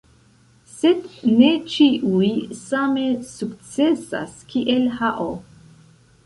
Sed ne ĉiuj same sukcesas kiel Hao.